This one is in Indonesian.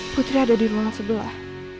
putri ada di ruang sebelah